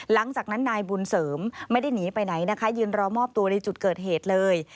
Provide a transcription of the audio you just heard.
หลังจากนั้นนายบุญเสริมไม่ได้หนีไปไหนนะคะยืนรอมอบตัวในจุดเกิดเหตุเลย